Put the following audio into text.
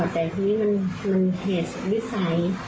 แต่ทีนี้มันเหตุวิสัย